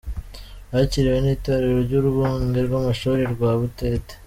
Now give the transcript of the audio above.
Bakiriwe n'itorero ry'urwunge rw'amashuri rwa Butete.